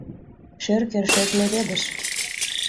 Шӧр кӧршӧк леведыш.